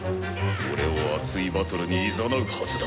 俺を熱いバトルにいざなうはずだ！